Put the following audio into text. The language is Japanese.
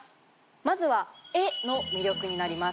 まずは「画」の魅力になります。